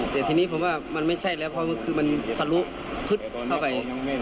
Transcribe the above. แต่ทีนี้ผมว่ามันไม่ใช่แล้วเพราะคือมันทะลุพึดเข้าไป